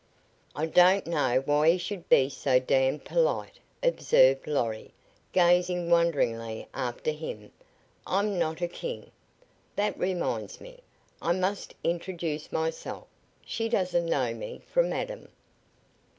"I don't know why he should be so damned polite," observed Lorry, gazing wonderingly after him. "I'm not a king. That reminds me. I must introduce myself. She doesn't know me from Adam."